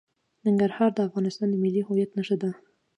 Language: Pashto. ننګرهار د افغانستان د ملي هویت نښه ده.